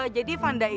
jadi fanda ini